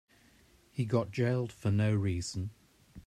He got jailed for no reason.